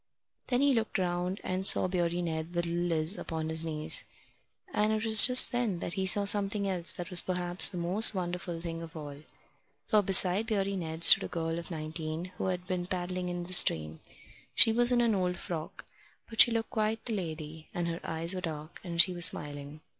Then he looked round and saw Beardy Ned with little Liz upon his knees; and it was just then that he saw something else that was perhaps the most wonderful thing of all. For beside Beardy Ned stood a girl of nineteen, who had been paddling in the stream. She was in an old frock, but she looked quite the lady, and her eyes were dark, and she was smiling.